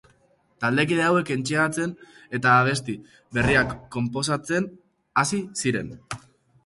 Taldekide hauek entseatzen eta abesti berriak konposatzen hasi ziren.